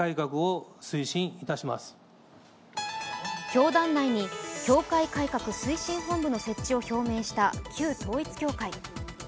教団内に教会改革推進本部の設置を表明した旧統一教会。